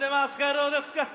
どうですか？